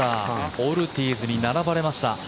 オルティーズに並ばれました。